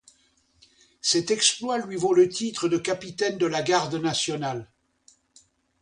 Cet exploit lui vaut le titre de capitaine de la Garde nationale.